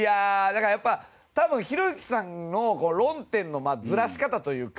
多分、ひろゆきさんの論点のずらし方というか。